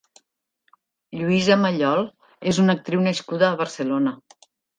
Lluïsa Mallol és una actriu nascuda a Barcelona.